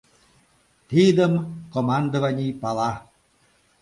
— Тидым командований пала.